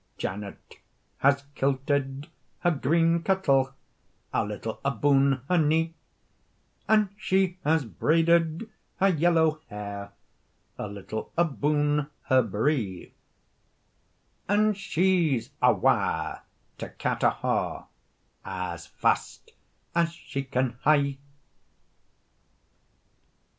Janet has kilted her green kirtle A little aboon her knee, And she has braided her yellow hair A little aboon her bree, And she's awa' to Carterhaugh, As fast as she can hie.